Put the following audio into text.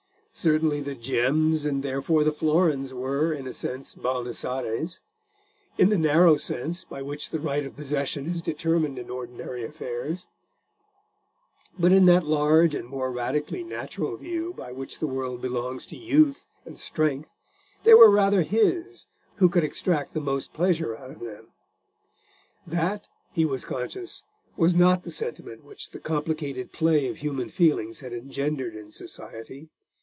Certainly the gems and therefore the florins were, in a sense, Baldassarre's: in the narrow sense by which the right of possession is determined in ordinary affairs; but in that large and more radically natural view by which the world belongs to youth and strength, they were rather his who could extract the most pleasure out of them. That, he was conscious, was not the sentiment which the complicated play of human feelings had engendered in society.